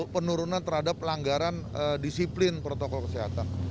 penurunan terhadap pelanggaran disiplin protokol kesehatan